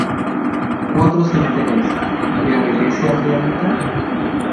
cuatro centenes, ¿ le apetece a mi amita?